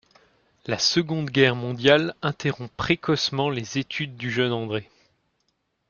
La Seconde Guerre mondiale interrompt précocement les études du jeune André.